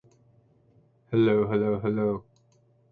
The word also mean "vessel" or "galley" in Arabic or Persian.